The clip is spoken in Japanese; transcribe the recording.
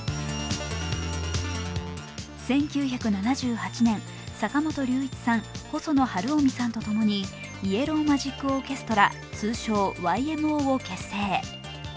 １９７８年、坂本龍一さん、細野晴臣さんと共にイエロー・マジック・オーケストラ、通称ＹＭＯを結成。